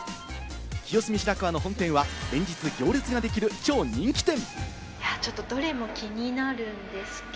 清澄白河の本店は連日行列ができる超人気店。